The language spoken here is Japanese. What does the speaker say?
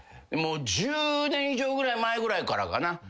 もう１０年以上前ぐらいからかな。